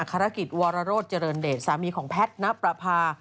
ฆารกิจวรโรธเจริญเดชสามีของแพทย์ณประพา